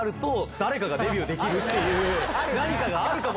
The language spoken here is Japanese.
何かがあるかも。